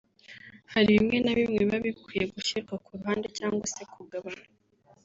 Hari bimwe na bimwe biba bikwiye gushyirwa ku ruhande cyangwa se kugabanywa